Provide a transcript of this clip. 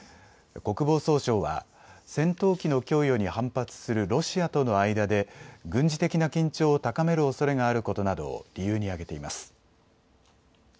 国防総省は戦闘機の供与に反発するロシアとの間で軍事的な緊張を高めるおそれがあることなどを理由に挙げています。